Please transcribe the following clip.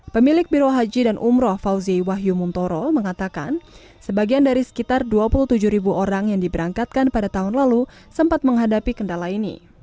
pemilik biro haji dan umroh fauzi wahyu mumtoro mengatakan sebagian dari sekitar dua puluh tujuh ribu orang yang diberangkatkan pada tahun lalu sempat menghadapi kendala ini